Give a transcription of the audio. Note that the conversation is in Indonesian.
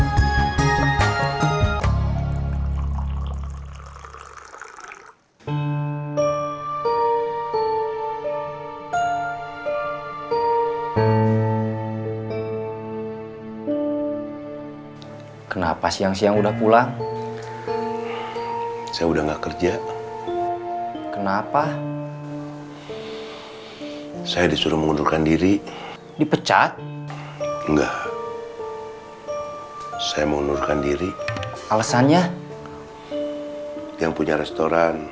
terima kasih mas amar